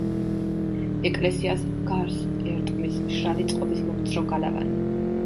ეკლესიას გარს ერტყმის მშრალი წყობის მომცრო გალავანი.